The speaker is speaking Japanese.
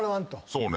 そうね。